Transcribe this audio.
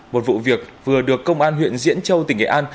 một vụ việc vừa được công an huyện diễn châu tỉnh nghệ an